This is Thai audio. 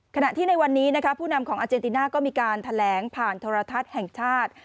ขณะที่ในวันนี้นะคะผู้นำของอาเจนติน่าก็มีการแถลงผ่านโทรทัศน์แห่งชาติ